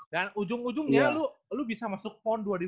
dan ujung ujungnya lu bisa masuk pon dua ribu enam belas